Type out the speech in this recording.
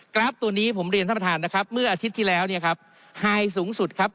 ราฟตัวนี้ผมเรียนท่านประธานนะครับเมื่ออาทิตย์ที่แล้วเนี่ยครับไฮสูงสุดครับ